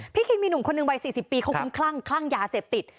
พี่คิดมีหนุ่มคนหนึ่งวัยสี่สิบปีเขาคงคลั่งคลั่งยาเสพติด